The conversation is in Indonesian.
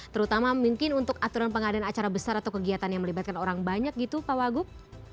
terutama mungkin untuk aturan pengadaan acara besar atau kegiatan yang melibatkan orang banyak gitu pak wagub